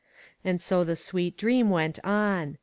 And so the sweet dream went on.